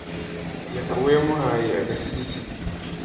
Yakobo yamuhaye agasigisigi,